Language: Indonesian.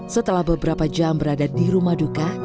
setelah beberapa jam berada di rumah duka